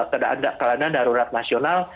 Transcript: keadaan darurat nasional